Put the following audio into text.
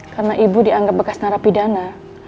karena ibu dianggap bekas narapidana